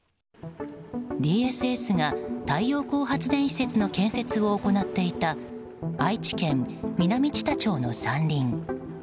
ディーエスエスが太陽光発電施設の建設を行っていた愛知県南知多町の山林。